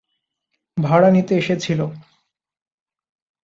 ভাড়া নিতে এসেছিল।